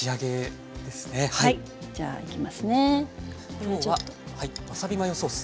今日はわさびマヨソース。